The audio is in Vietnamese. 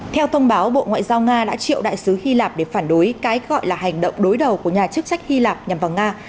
theo thông báo bộ ngoại giao nga đã triệu đại sứ hy lạp để phản đối cái gọi là hành động đối đầu của nhà chức trách hy lạp nhằm vào nga